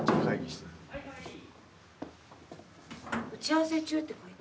打ち合わせ中ってこと？